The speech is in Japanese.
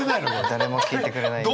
誰も聴いてくれない。